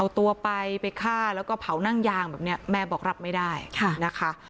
เอาตัวไปไปฆ่าแล้วก็เผานั่งยางแบบนี้แม่บอกรับไม่ได้นะคะ